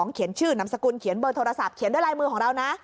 เขียนชื่อนามสกุลเขียนเบอร์โทรศัพท์เขียนด้วยลายมือของเรานะ